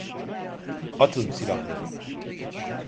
Atın silahları!